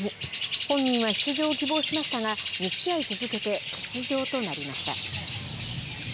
本人は出場を希望しましたが、２試合続けて欠場となりました。